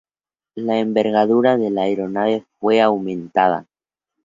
La envergadura de la aeronave fue aumentada.